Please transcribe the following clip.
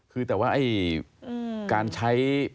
คือแต่ว่าการใช้